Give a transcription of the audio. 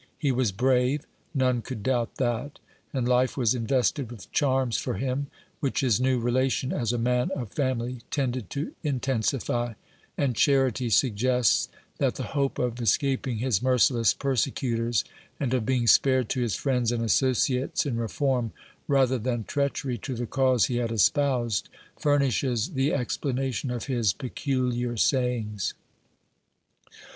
He was brave — none could doubt that, and life was invested with charms for him, which, his new relation as a man of fam ily tended to intensify ; and charity suggests that the hope of escaping his merciless persecutors, and of being spared to his friends and associates in reform, rather than treachery to the cause he had espoused, furnishes the explanation of his pecu liar sayings.